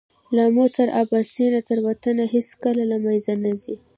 له آمو تر اباسینه ستر وطن هېڅکله له مېنځه نه ځي.